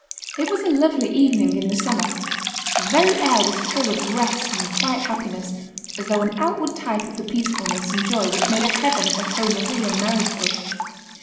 It was a lovely evening in the summer; the very air was full of rest and quiet happiness, as though an outward type of the peacefulness and joy which made a heaven of the home of the young married folk.